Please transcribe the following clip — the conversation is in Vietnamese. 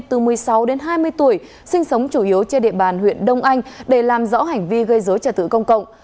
từ một mươi sáu đến hai mươi tuổi sinh sống chủ yếu trên địa bàn huyện đông anh để làm rõ hành vi gây dối trả tự công cộng